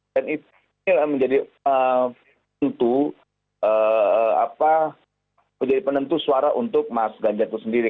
dan ini menjadi tentu menjadi penentu suara untuk mas ganjar itu sendiri